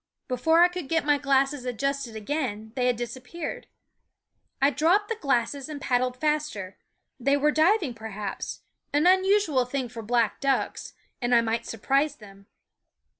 Before I could get my glasses adjusted again they had disappeared. I dropped the glasses and paddled faster; they were diving, perhaps an unusual thing for black ducks and I might surprise them.